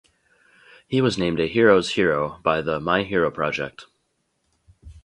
He was named a Hero's hero by The My Hero Project.